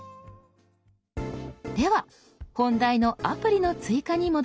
では本題のアプリの追加に戻りましょう。